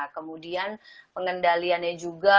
kemudian pengendaliannya juga